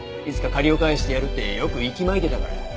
いつか借りを返してやるってよく息巻いてたから。